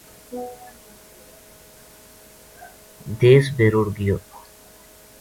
دیس بے رُڑھ گیو